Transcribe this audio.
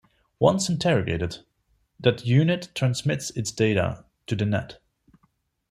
Once interrogated, that unit transmits its data to the net.